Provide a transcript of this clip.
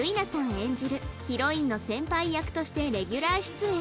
演じるヒロインの先輩役としてレギュラー出演